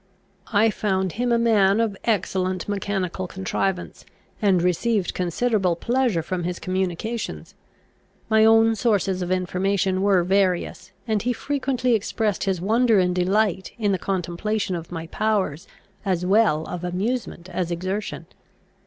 I found him a man of excellent mechanical contrivance, and received considerable pleasure from his communications. My own sources of information were various; and he frequently expressed his wonder and delight in the contemplation of my powers, as well of amusement as exertion.